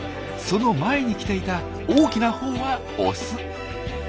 その前に来ていた大きなほうはオス。